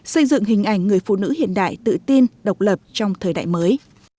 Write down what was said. xây dựng hình ảnh người phụ nữ hiện đại tự tin độc lập trong thời đại mới